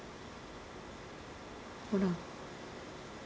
ほら。